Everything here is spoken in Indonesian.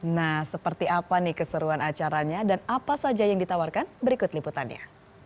nah seperti apa nih keseruan acaranya dan apa saja yang ditawarkan berikut liputannya